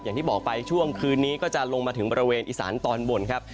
อย่างที่บอกไปช่วงคืนนี้ก็จะลงมาถึงบริเวณอีสานตอนบนครับ